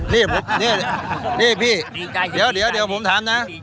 นี่พี่เดี๋ยวผมถามนะ